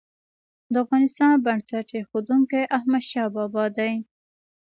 د افغانستان بنسټ ايښودونکی احمدشاه بابا دی.